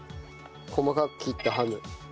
細かく切ったハム。